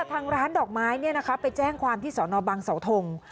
ทางร้านดอกไม้ไปแจ้งความที่สอนอบังเสาทง